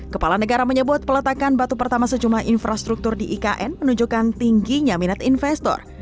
kepala negara menyebut peletakan batu pertama sejumlah infrastruktur di ikn menunjukkan tingginya minat investor